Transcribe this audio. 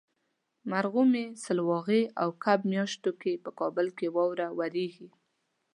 مرغومي ، سلواغې او کب میاشتو کې په کابل کې واوره وریږي.